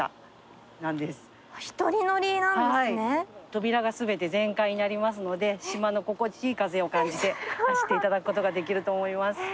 扉が全て全開になりますので島の心地いい風を感じて走っていただくことができると思います。